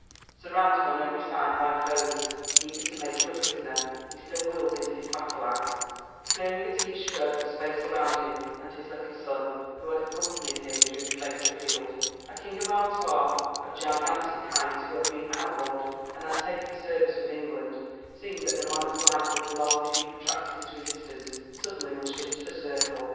Surrounded on every side by foes eager to make him prisoner, he still wielded his battle axe, clearing at each stroke the space around him and his little son, who had accompanied him through the fatal field. A knight of Artois, of gigantic height, who had been outlawed and had taken service with England, seeing that the monarch's life would be lost if he protracted his resistance, suddenly rushed into the circle.